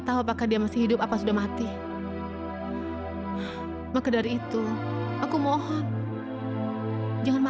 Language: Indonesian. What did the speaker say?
sampai jumpa di video selanjutnya